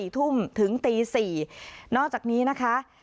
๔ทุ่มถึงตี๔นอกจากนี้นะคะ